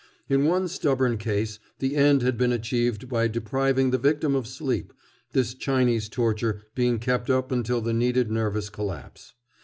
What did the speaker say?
In one stubborn case the end had been achieved by depriving the victim of sleep, this Chinese torture being kept up until the needed nervous collapse.